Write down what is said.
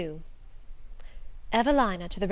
EVELINA TO THE REV.